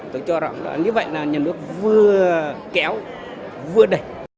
tôi cho rõ là như vậy là nhà nước vừa kéo vừa đẩy